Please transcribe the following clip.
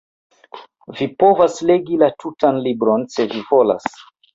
Vi povas legi la tutan libron se vi volas.